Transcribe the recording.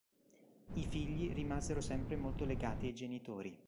I figli rimasero sempre molto legati ai genitori.